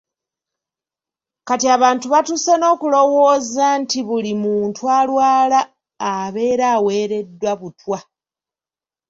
Kati abantu batuuse n'okulowooza nti buli muntu alwala abeera aweereddwa butwa.